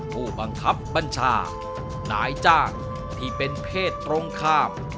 ผู้บังคับบัญชานายจ้างที่เป็นเพศตรงข้าม